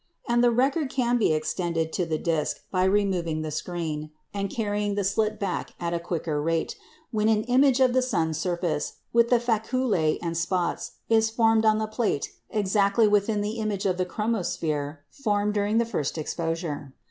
And the record can be extended to the disc by removing the screen, and carrying the slit back at a quicker rate, when an "image of the sun's surface, with the faculæ and spots, is formed on the plate exactly within the image of the chromosphere formed during the first exposure.